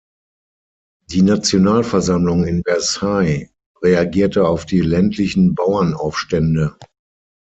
Die Nationalversammlung in Versailles reagierte auf die ländlichen Bauernaufstände.